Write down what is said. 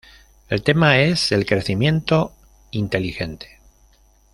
El tema es el crecimiento "inteligente".